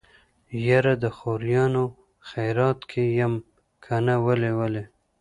يره د خوريانو خيرات کې يم کنه ولې ولې.